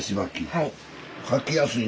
はい。